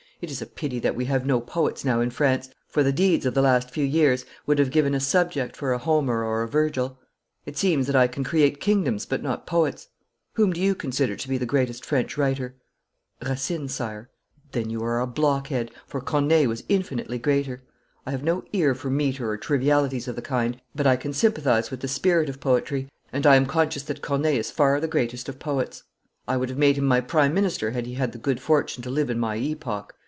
It is a pity that we have no poets now in France, for the deeds of the last few years would have given a subject for a Homer or a Virgil. It seems that I can create kingdoms but not poets. Whom do you consider to be the greatest French writer?' 'Racine, sire.' 'Then you are a blockhead, for Corneille was infinitely greater. I have no ear for metre or trivialities of the kind, but I can sympathise with the spirit of poetry, and I am conscious that Corneille is far the greatest of poets. I would have made him my prime minister had he had the good fortune to live in my epoch.